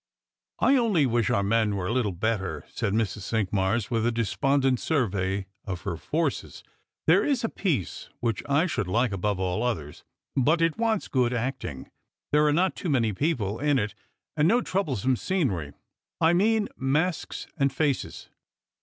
" I only wish our men were a little better," said Mrs. Cinq mnxn, with a despondent survey of her forces. " There is a piece 194 Strangers and Pilgrinns. which I should like above all others ; but it wants good acting. jDhere are not too many people in it, and no troublesome scenery, I mean Masks and Faces."